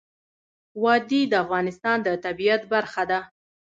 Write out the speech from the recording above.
وادي د افغانستان د طبیعت برخه ده.